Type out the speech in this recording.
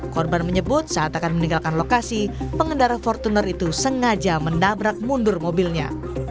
korban menyebut saat akan meninggalkan lokasi pengendara fortuner itu sengaja menabrak mundur mobilnya